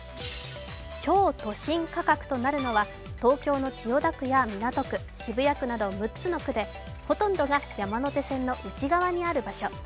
超都心価格となるのは東京の千代田区や港区、渋谷区など、６つの区で、ほとんどが山手線の内側にある場所。